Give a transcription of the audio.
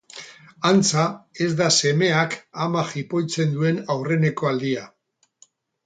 Antza, ez da semeak ama jipoitzen duen aurreneko aldia.